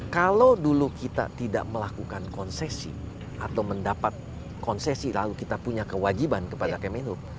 kalau dulu kita tidak melakukan konsesi atau mendapat konsesi lalu kita punya kewajiban kepada kemenhub